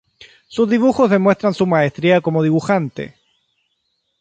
Sus dibujos demuestran su maestría como dibujante.